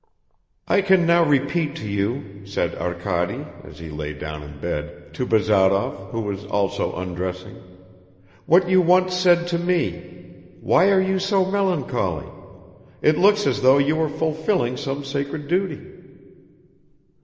"I can now repeat to you," said Arkady, as he lay down in bed, to Bazarov, who was also undressing, "what you once said to me: 'Why are you so melancholy? It looks as though you were fulfilling some sacred duty.'"